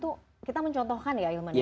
itu kita mencontohkan ya ilmannya